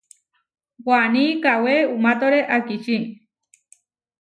Waní kawé umatóre akiči.